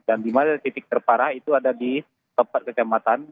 dan di mana titik terparah itu ada di empat kecamatan